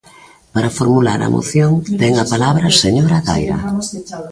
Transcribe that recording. Para formular a moción ten a palabra a señora Daira.